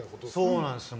そうなんですよ。